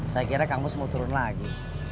saya kira kamu semua turun lagi